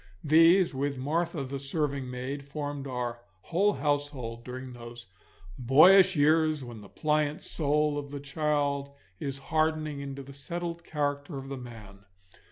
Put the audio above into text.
These, with Martha the serving maid, formed our whole household during those boyish years when the pliant soul of the child is hardening into the settled character of the man.